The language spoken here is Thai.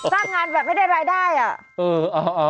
สร้างงานแบบไม่ได้รายได้อ่ะ